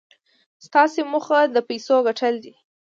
ستاسې موخه د پيسو ګټل دي.